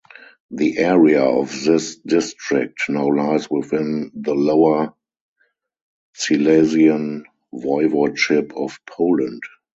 The area of this district now lies within the Lower Silesian Voivodeship of Poland.